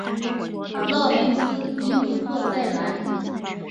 勒梅斯尼鲁克塞兰。